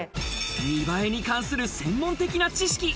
見栄えに関する専門的な知識。